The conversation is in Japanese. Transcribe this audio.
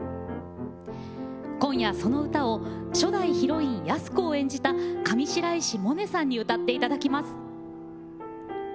今夜、その歌を初代ヒロイン安子を演じた上白石萌音さんに歌っていただきます。